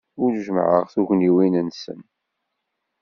Ur jemmɛeɣ tugniwin-nsen.